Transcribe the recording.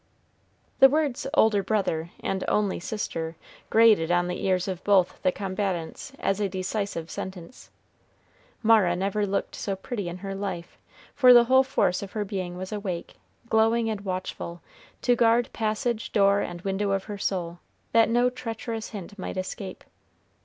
The words "older brother" and "only sister" grated on the ears of both the combatants as a decisive sentence. Mara never looked so pretty in her life, for the whole force of her being was awake, glowing and watchful, to guard passage, door, and window of her soul, that no treacherous hint might escape.